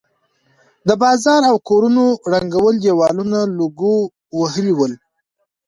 د بازار او کورونو ړنګ دېوالونه لوګو وهلي ول.